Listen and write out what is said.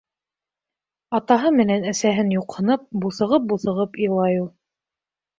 Атаһы менән әсәһен юҡһынып, буҫығып-буҫығып илай ул.